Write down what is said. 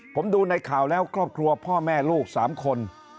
ผมดูในข่าวแล้วครอบครัวพ่อแม่ลูก๓คน